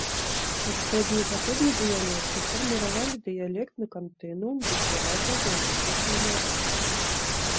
Усходні і заходні дыялекты фарміравалі дыялектны кантынуум без выразнай геаграфічнай мяжы.